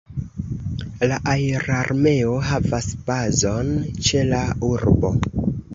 La Aerarmeo havas bazon ĉe la urbo.